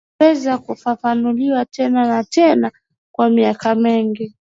zimeweza kufafanuliwa tena na tena kwa miaka mingi